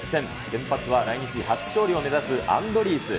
先発は来日初勝利を目指すアンドリース。